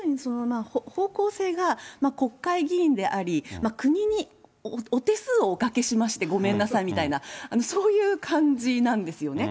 方向性が国会議員であり、国にお手数をおかけしましてごめんなさいみたいな、そういう感じなんですよね。